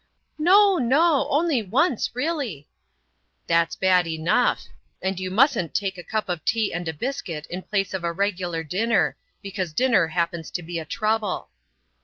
"No, no,—only once, really." "That's bad enough. And you mustn't take a cup of tea and a biscuit in place of a regular dinner, because dinner happens to be a trouble."